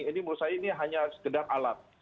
ini menurut saya ini hanya sekedar alat